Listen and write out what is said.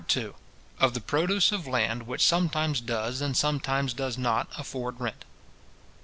—Of the Produce of Land, which sometimes does, and sometimes does not, afford Rent.